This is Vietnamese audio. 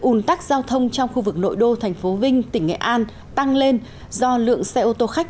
ủn tắc giao thông trong khu vực nội đô thành phố vinh tỉnh nghệ an tăng lên do lượng xe ô tô khách